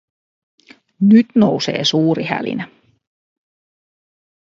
Nyt nousee suuri hälinä.